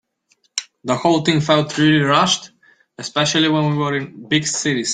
The whole thing felt really rushed, especially when we were in big cities.